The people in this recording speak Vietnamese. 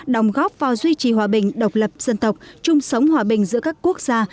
đồng góp vào duy trì hòa bình độc lập dân tộc chung sống hòa bình giữa các quốc gia